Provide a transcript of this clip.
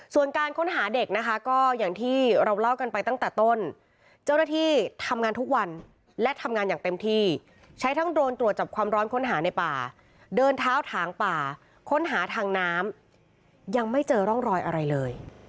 ส่วนการค้นหาเด็กนะคะก็อย่างที่เราเล่ากันไปตั้งแต่ต้นเจ้าหน้าที่ทำงานทุกวันและทำงานอย่างเต็มที่ใช้ทั้งโดรนตรวจจับความร้อนค้นหาในป่าเดินเท้าถางป่าค้นหาทางน้ำยังไม่เจอร่องรอยอะไรเลย